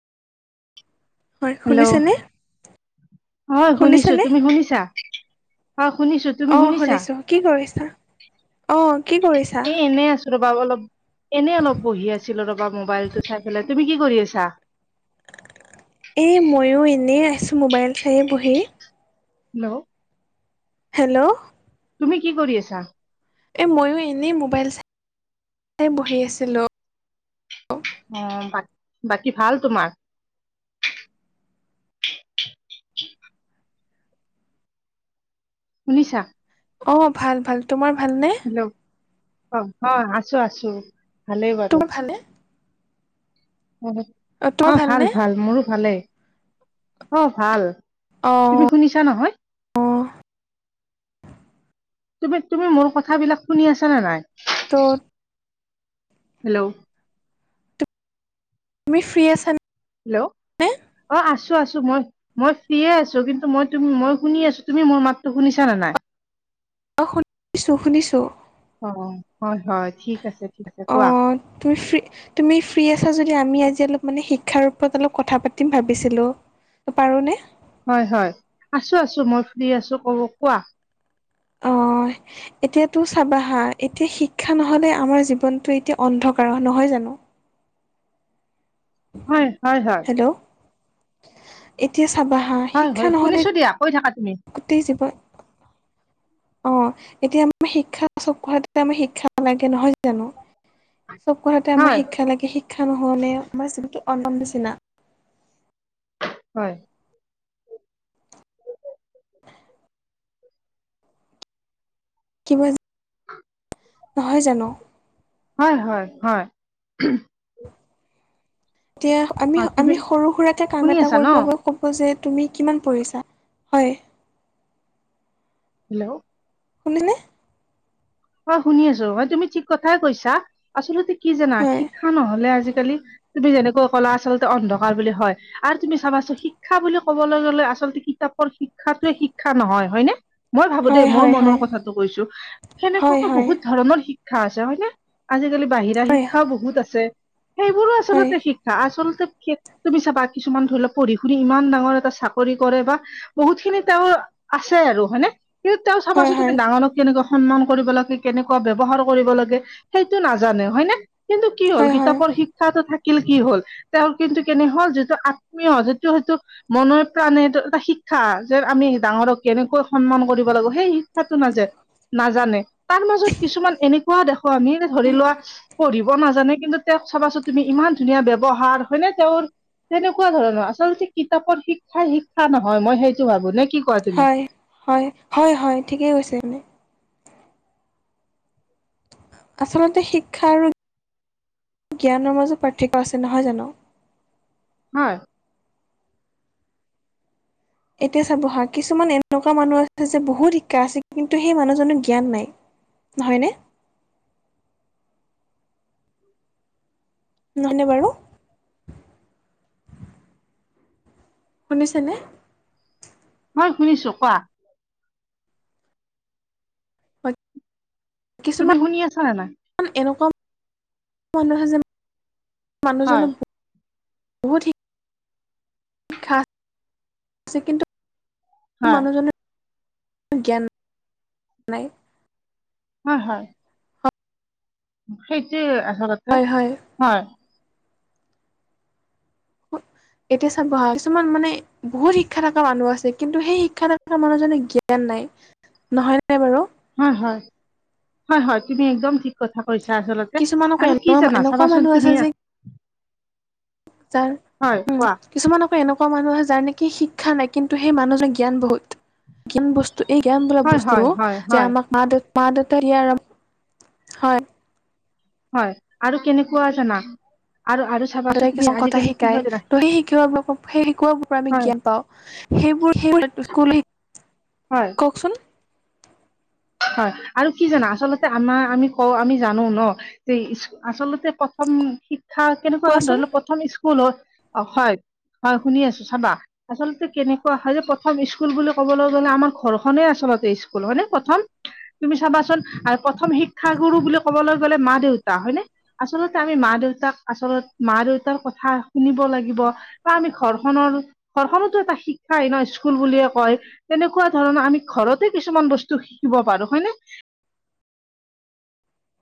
হয় হেল্ল' শুনিছেনে অ' শুনিছোঁ। শুনিছেনে তুমি শুনিছা? অ' শুনিছোঁ। অ' শুনিছোঁ। কি কৰিছা? অ কি কৰিছা এ, এনেই আছোঁ ৰ'বা অলপ, এনেই অলপ বহি আছিলোঁ ৰ'বা মোবাইলটো চাই পেলাই তুমি কি কৰি আছা? এ, ময়ো এনেই আছোঁ মোবাইল চাই বহি। হেল্ল'। হেল্ল'। তুমি কি কৰি আছা? এ, ময়ো এনেই মোবাইল চাই বহি আছিলোঁ। অ বাকী ভাল তোমাৰ। শুনিছা। অ ভাল ভাল তোমাৰ ভালনে। হেল্ল অ, অ আছো, আছো, ভালেই বাৰু। তোমাৰ ভালনে অ, তোমাৰ অ ভাল, ভালনে ভাল মোৰো ভালেই অ ভাল। অ তুমি শুনিছা নহয়। অ তুমি তুমি মোৰ কথাবিলাক শুনি আছা নে নাই। তোত। হেল্ল'। তুমি ফ্ৰী আছা নে। হেল্ল, ' অ আছো, আছো মই। মই ফ্ৰিয়ে আছো কিন্তু মই মই শুনি আছো তুমি মোৰ মাতটো শুনিছা নে নাই। অ শুনিছো শুনিছো। অ হয়, হয় ঠিক আছে, ঠিক আছে, অ কোৱা। তুমি ফ্ৰী। তুমি ফ্ৰী আছা যদি আমি আজি অলপ মানে শিক্ষাৰ ওপৰত অলপ কথা পাতিম ভাবিছিলোঁ। পাৰোঁনে। হয় হয় আছো আছো মই ফ্ৰী আছো ক কোৱা। হয়। এতিয়াতো চাবা হা এতিয়া শিক্ষা নহ'লে আমাৰ জীৱনটো এতিয়া অন্ধকাৰ নহয় জানো। হয়, হয়, হয়। হেল্ল' এতিয়া চাবা। হা হয় শিক্ষা হয় নহ'লে শুনিছো দিয়া কৈ থাকা তুমি। [unintelligible] অ এতিয়া আমাৰ শিক্ষা চব আমাৰ শিক্ষা লাগে নহয় জানো? চব কথাতে আমাৰ হয় শিক্ষা লাগে, শিক্ষা নহলে আমাৰ জীৱনটো অন্ধ নিচিনা। হয়। কিবা [inaudible] নহয় জানো? হয় হয় হয়। এতিয়া অ আমি তুমি আমি সৰু সুৰাকে কাম শুনি এটা আছা ন কৰিব গৈ ক'ব যে তুমি কিমান পঢ়িছা হয়। হেল্ল'। শুনিছা নে? অ শুনি আছো, হয় তুমি ঠিক কথাই কৈছা, আচলতে কি জানা হয়, শিক্ষা নহলে আজিকালি তুমি যেনেকৈ ক'লা আচলতে অন্ধকাৰ বুলি হয়। আৰু তুমি চাবাচোন শিক্ষা বুলি কবলৈ গলে আচলতে কিতাপৰ শিক্ষাটোৱে শিক্ষা নহয়। হয়নে? মই ভাবো হয়, দেই মোৰ হয়, হয়, মনৰ কথাটো কৈছো, হয়, সেনেকুৱকৈ হয়, বহুত ধৰণৰ শিক্ষা আছে হয়নে? আজিকালি বাহিৰা হয়, হয়, শিক্ষাও বহুত আছে, সেইবোৰো হয়, আচলতে শিক্ষা আচলতে তুমি চাবা, কিছুমান ধৰি লওক পঢ়ি শুনি ইমান ডাঙৰ এটা চাকৰি কৰে বা বহুত খিনি তেওঁৰ আছে আৰু হয়নে? কিন্তু তেওঁ হয়, চাবাচোন তুমি হয়। ডাঙৰক কেনেকৈ সন্মান কৰিব লাগে কেনেকুৱা ব্যৱহাৰ কৰিব লাগে সেইটো নাজানে। হয় নে? কিন্তু কি হ'ল হয়। কিতাপৰ শিক্ষাটো থাক কিল কি হল, তেওঁ কিন্তু কেনে হ'ল যিটো আত্মীয় যিটো সেইটো মনৰ প্ৰাণেটো এটা শিক্ষা যে আমি ডাঙৰক কেনেকৈ সন্মান কৰিব লাগিব, সেই শিক্ষাটো নাযায়। নাজানে তাৰ মাজত কিছুমান এনেকুৱা দেখোঁ আমি ধৰি লোৱা, পঢ়িব নাজানে কিন্তু তেওঁক চাবাচোন তুমি ইমান ধুনীয়া ব্যৱহাৰ হয় নে তেওঁৰ তেনেকুৱা ধৰণৰ, আচলতে কিতাপৰ শিক্ষাই শিক্ষা নহয় মই সেইটো ভাবো। নে কি কোৱা তুমি? হয় হয় হয় হয় ঠিকেই কৈছে মানে। আচলতে শিক্ষা আৰু জ্ঞানৰ মাজত পাৰ্থক্য আছে। নহয় জানো? হয়। এতিয়া চাব হা কিছুমান এনকুৱা মানুহ আছে যে বহুত শিক্ষা আছে কিন্তু সেই মানুহজনৰ জ্ঞান নাই। নহয় নে? উ নহয়নে বাৰু? শুনিছেনে? হয় শুনিছো কোৱা। তুমি কিছুমান শুনি আছা নে নাই? এনেকুৱা মানুহে যেন হয় মানুহজনৰ বহুত শিক্ষা [unintelligible] [unintelligible] কিন্তু হয় মানুহজনৰ জ্ঞান নাই হয় হয়। সেইটোৱেই আচলতে হয়। এতিয়া চাবা কিছুমান মানে বহুত শিক্ষা থকা মানুহ আছে, কিন্তু সেই শিক্ষা থকা মানুহজনে জ্ঞান নাই। নহয় নে বাৰু? হয় হয় হয় হয় তুমি একদম ঠিক কথা কৈছা আচলতে, কিছুমান আকৌ আৰু কি এনেকুৱা জানা? এনেকুৱা চাবাচোন মানুহ তুমি তাৰ হয় উম কোৱা [inaudible] কিছুমান আকৌ এনেকুৱা মানুহ আছে, যাৰ নেকি শিক্ষা নাই কিন্তু সেই মানুহজন জ্ঞান বহুত। [inaudible] ত' এই জ্ঞান বোলা হয় হয় বস্তু, হয় যে হয় আমাক মা দেউতা মা দেউতাৰ হয়। হয় আৰু কেনেকুৱা জানা আৰু আৰু মা চাবাচোন দেউতাই তুমি কিছুমান কথা আজিকালি কি শিকায় হয় জানা ত' শি- সেই শিকোৱাবিলাকৰ সেই শিকোৱাবোৰৰ পৰা আমি হয় জ্ঞান পাওঁ সেইবোৰ সেইবোৰ স্কুল হয় কওকচোন হয় আৰু কি জানা আচলতে আমাৰ আমি কওঁ আমি জানো ন আচলতে প্ৰথম শিক্ষা কেনেকুৱা কোৱাচোন। ধৰি লও প্ৰথম স্কুল হল হয় শুনি আছো চাবা আচলতে কেনেকুৱা হয় যে প্ৰথম স্কুল বুলি ক'বলৈ গ'লে আমাৰ ঘৰখনেই আচলতে স্কুল হয়নে প্ৰথম তুমি চাবাচোন প্ৰথম শিক্ষাগুৰু বুলি কবলৈ গ'লে মা দেউতা হয়নে আচলতে আমি মা দেউতাক আচল মা দেউতাৰ কথা শুনিব লাগিব ত আমি ঘৰখনৰ ঘৰখনতো এটা শিক্ষা এ ন স্কুল বুলিয়ে কয় তেনেকুৱা ধৰণৰ আমি ঘৰতে কিছুমান বস্তু শিকিব পাৰো হয়নে